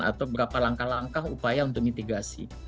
atau berapa langkah langkah upaya untuk mitigasi